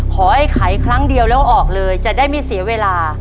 ไอ้ไขครั้งเดียวแล้วออกเลยจะได้ไม่เสียเวลา